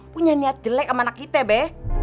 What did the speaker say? punya niat jelek sama anak kita be